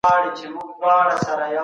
نفسي غوښتني نه پالل کېږي.